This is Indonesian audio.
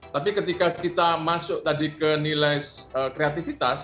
tapi ketika kita masuk tadi ke nilai kreativitas